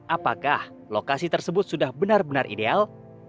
apakah lokasi tersebut sudah benar benar ideal